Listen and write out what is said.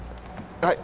はい。